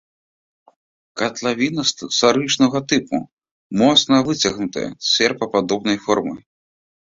Катлавіна старычнага тыпу, моцна выцягнутая, серпападобнай формы.